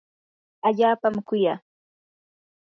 allaapami kuyaa.